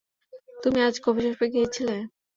তুমি আজ কফিশপে গিয়েছিলে।